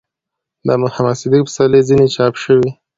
،د محمد صديق پسرلي ځينې چاپ شوي